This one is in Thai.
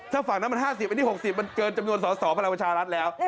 ถ้าฝั่งนั้นมัน๕๐อันนี้๖๐มันเกินจำนวนสอสอพลังประชารัฐแล้ว